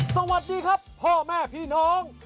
สวัสดีครับพ่อแม่พี่น้อง